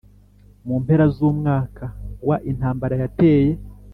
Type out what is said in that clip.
Mu mpera z umwaka wa intambara yateye